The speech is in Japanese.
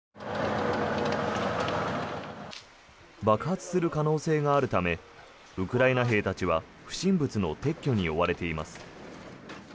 爆発する可能性があるためウクライナ兵たちは不審物の撤去に追われています。